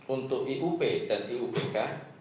untuk iup dan iupk